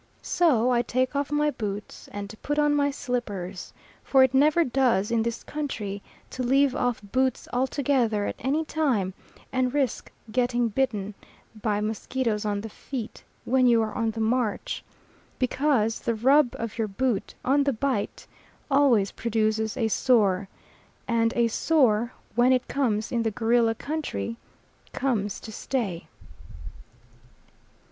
So I take off my boots and put on my slippers; for it never does in this country to leave off boots altogether at anytime and risk getting bitten by mosquitoes on the feet, when you are on the march; because the rub of your boot on the bite always produces a sore, and a sore when it comes in the Gorilla country, comes to stay.